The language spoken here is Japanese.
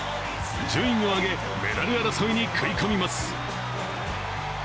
順位を上げ、メダル争いに食い込みます。